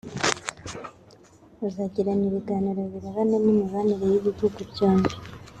Bazagirana ibiganiro birebana n’imibanire y’ibihugu byombi